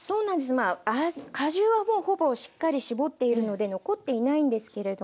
まあ果汁はもうほぼしっかり搾っているので残っていないんですけれども。